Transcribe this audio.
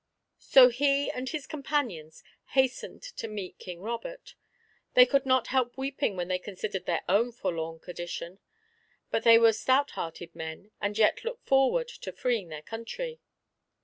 So he and his companions hastened to meet King Robert. They could not help weeping when they considered their own forlorn condition, but they were stout hearted men, and yet looked forward to freeing their country.